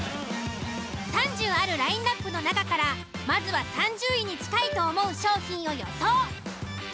３０あるラインアップの中からまずは３０位に近いと思う商品を予想。